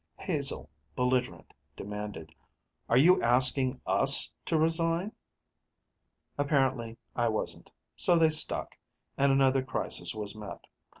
Hazel, belligerent, demanded: "Are you asking us to resign?" Apparently I wasn't. So they stuck, and another crisis was met.